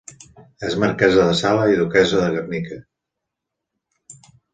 És marquesa de Sala i duquessa de Guernica.